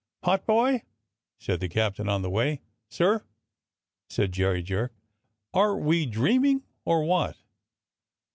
"Potboy.^ " said the captain on the way. "Sir?" said Jerry Jerk. "Are we dreaming, or what.